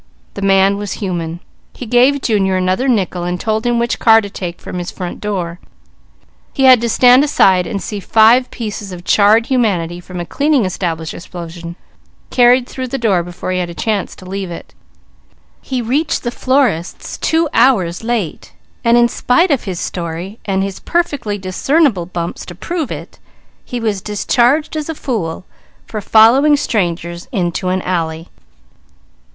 The man was human. He gave Junior another nickel and told him which car to take from his front door. He had to stand aside and see five pieces of charred humanity from a cleaning establishment explosion, carried through the door before he had a chance to leave it. He reached the florist's two hours late and in spite of his story and his perfectly discernible bumps to prove it, he was discharged as a fool for following strangers into an alley.